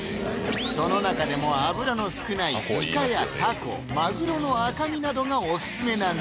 その中でも脂の少ないイカやタコマグロの赤身などがオススメなんだ